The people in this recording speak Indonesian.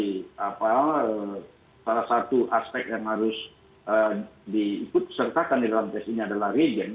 kalau misalnya tadi salah satu aspek yang harus diikut sertakan di dalam tes ini adalah regen